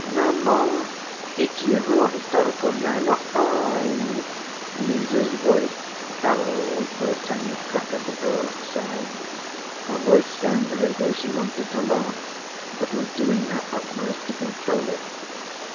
"Maman, it's you who are hysterical now, not I," Lise's voice caroled through a tiny crack of the door at the side. Her voice sounded as though she wanted to laugh, but was doing her utmost to control it.